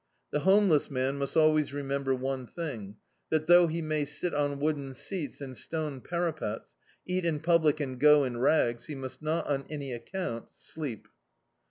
The homeless man must always remember one thing, that thou^ he may sit on wooden seats and stone parapets, eat in public and go in rags, he must not, on any accoimt, sleep.